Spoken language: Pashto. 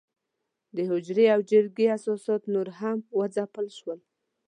د حجرې او جرګې اساسات نور هم وځپل شول.